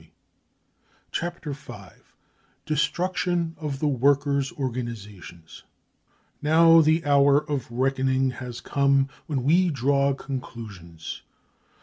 Chapter V: DESTRUCTION OF THE WORKERS * ORGANISATIONS cc Now the hour of reckoning has come, when we draw conclusions.